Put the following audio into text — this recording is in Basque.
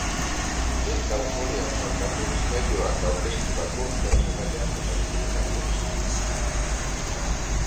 Ez da umorea faltako saioak aurkeztutako pertsonaia eta istorio berrietan.